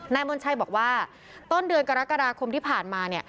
แน่ม่วนชัยบอกว่าต้นเดือนกรกฎาคมที่ผ่านมา